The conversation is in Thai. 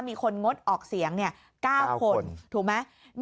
มีคนงดออกเสียงเนี่ย๙คนถูกไหม